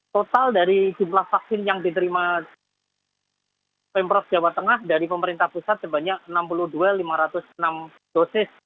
total dari jumlah vaksin yang diterima pemprov jawa tengah dari pemerintah pusat sebanyak enam puluh dua lima ratus enam dosis